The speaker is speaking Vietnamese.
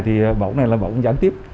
thì bỏng này là bỏng gián tiếp